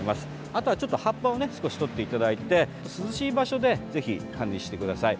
あとは、ちょっと葉っぱを少しとっていただいて涼しい場所でぜひ管理してください。